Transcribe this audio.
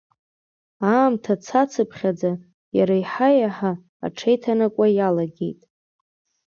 Аамҭа цацыԥхьаӡа, иара еиҳа-еиҳа аҽеиҭанакуа иалагеит.